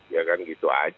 ya kan gitu aja